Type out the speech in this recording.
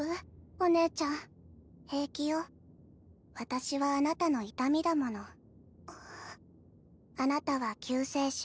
お姉ちゃん（私はあなたの痛みだものあなたは救世主。